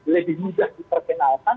lebih mudah diperkenalkan